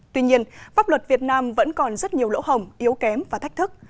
tuy nhiên bóc lột việt nam vẫn còn rất nhiều lỗ hồng yếu kém và thách thức